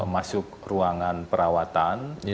masuk ruangan perawatan